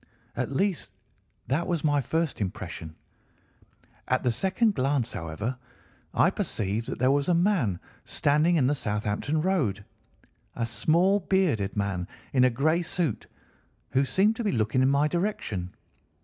At least that was my first impression. At the second glance, however, I perceived that there was a man standing in the Southampton Road, a small bearded man in a grey suit, who seemed to be looking in my direction.